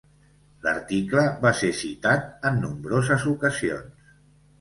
L'article va ser citat en nombroses ocasions.